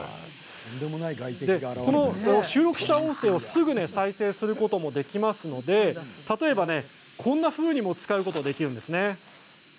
収録した音声をすぐに再生することもできますので例えば、こんなふうにも使うことができるんです。